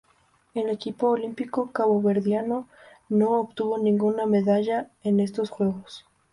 El equipo olímpico caboverdiano no obtuvo ninguna medalla en estos Juegos.